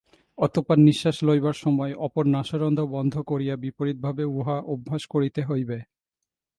অতঃপর নিঃশ্বাস লইবার সময় অপর নাসারন্ধ্র বন্ধ করিয়া বিপরীতভাবে উহার অভ্যাস করিতে হইবে।